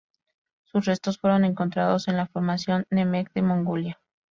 Sus restos fueron encontrados en la Formación Nemegt de Mongolia.